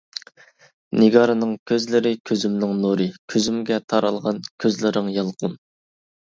نىگارنىڭ كۆزلىرى كۆزۈمنىڭ نۇرى، كۈزۈمگە تارالغان كۆزلىرىڭ يالقۇن.